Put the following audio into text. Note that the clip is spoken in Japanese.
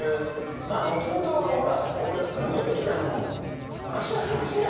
もともとほら俺戻ってきたのもおかしな話じゃんか。